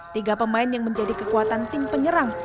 tiga pemain yang menjadi kekuatan tim penyerang